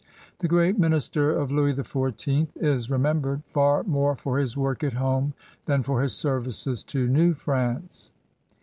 The great minister of Louis XIV is remembered far more for his work at home than for his services to New France.